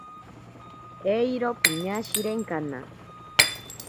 Eiro piñashirenkana.